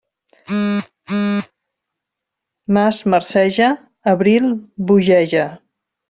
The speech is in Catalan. Març marceja, abril bogeja.